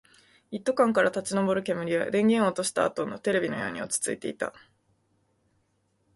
一斗缶から立ち上る煙は、電源を落としたあとのテレビのように落ち着いていた